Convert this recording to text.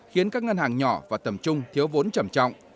khiến các ngân hàng nhỏ và tầm trung thiếu vốn trầm trọng